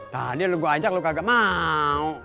tadi lu gua ajak lu kagak mau